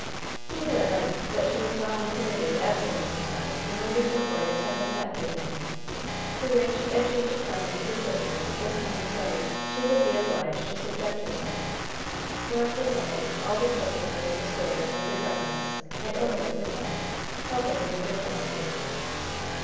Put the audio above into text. He knew at length that she was voluntarily absenting herself, in order to avoid a tête à tête with him, to which, if she should come into the sitting room at this time of day, she would be obliged to subject herself, for at this hour all the children were in the schoolroom with their governess, and Odalite with them, helping their German lesson.